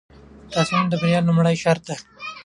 تصمیم د بریا لومړی شرط دی.